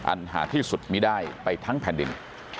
หาที่สุดไม่ได้ไปทั้งแผ่นดิน